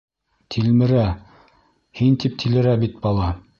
Тилмерә, һин тип тилерә бит бала.